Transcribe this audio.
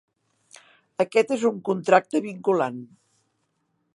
Aquest és un contracte vinculant.